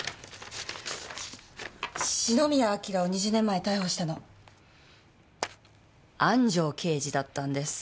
篠宮彬を２０年前逮捕したの安城刑事だったんです。